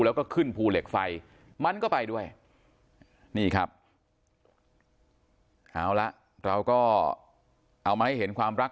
แล้วก็ขึ้นภูเหล็กไฟมันก็ไปด้วยนี่ครับเอาละเราก็เอามาให้เห็นความรัก